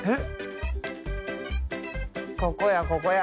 ここやここや。